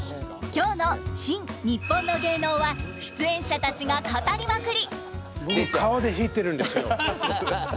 今日の「新・にっぽんの芸能」は出演者たちが語りまくり！